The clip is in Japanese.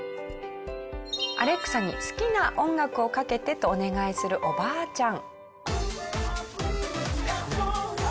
アレクサに好きな音楽をかけてとお願いするおばあちゃん。